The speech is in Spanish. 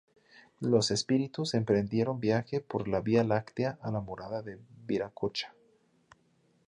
Los espíritus emprendieron viaje por la vía láctea a la morada de Viracocha.